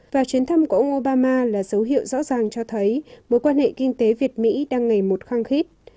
và chuyến thăm của ông obama là dấu hiệu rõ ràng cho thấy mối quan hệ kinh tế việt mỹ đang ngày một khăng khít